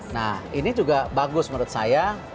nah ini juga bagus menurut saya